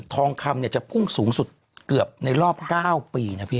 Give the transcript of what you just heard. ทองคำเนี่ยจะพุ่งสูงสุดเกือบในรอบ๙ปีนะพี่